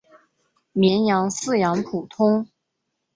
绵羊饲养普通。